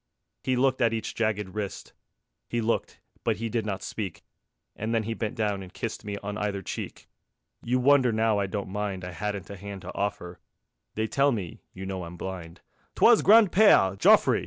He looked at each jagged wrist; He looked, but he did not speak; And then he bent down and kissed Me on either cheek. You wonder now I don't mind I hadn't a hand to offer. ... They tell me (you know I'm blind) _'TWAS GRAND PEÈRE JOFFRE.